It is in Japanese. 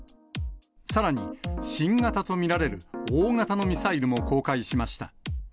さらに、新型と見られる大型のミサイルも公開しました。